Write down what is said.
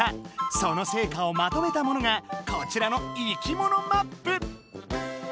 そのせいかをまとめたものがこちらの生きものマップ！